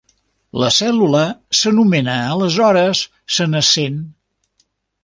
La cèl·lula s'anomena aleshores senescent.